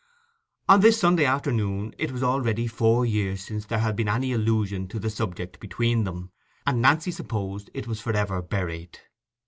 On this Sunday afternoon it was already four years since there had been any allusion to the subject between them, and Nancy supposed that it was for ever buried.